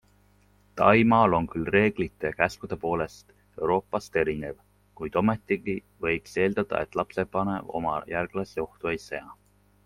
Taimaal on küll reeglite ja käskude poolest Euroopast erinev, kuid ometigi võiks eeldada, et lapsevanem oma järglasi ohtu ei sea.